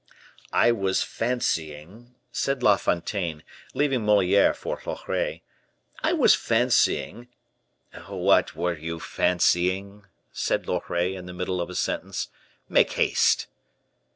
"I was fancying," said La Fontaine, leaving Moliere for Loret "I was fancying " "What were you fancying?" said Loret, in the middle of a sentence. "Make haste."